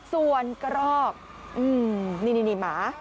ส่วนกระรอกนี่หมา